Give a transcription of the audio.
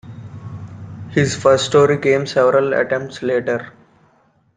His first story came several attempts later.